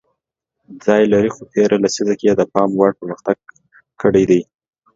ځای لري خو تېره لیسزه کې یې د پام وړ مخکې تګ کړی دی